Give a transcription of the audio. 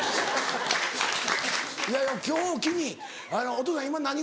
いやいや今日を機にお父さん今何が欲しい？